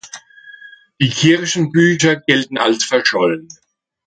Die Kirchenbücher gelten als verschollen.